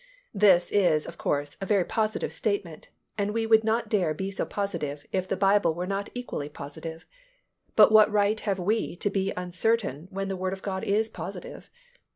This is, of course, a very positive statement, and we would not dare be so positive if the Bible were not equally positive. But what right have we to be uncertain when the Word of God is positive?